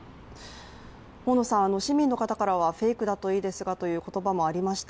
市民の方からは、フェークだといいですがという言葉もありました。